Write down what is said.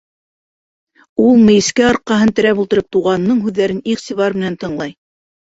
Ул мейескә арҡаһын терәп ултырып, туғанының һүҙҙәрен иғтибар менән тыңлай.